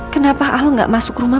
kenapa al gak masuk rumah